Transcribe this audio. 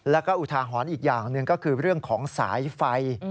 แล้วก็อุทาหรณ์อีกอย่างหนึ่งก็คือเรื่องของสายไฟ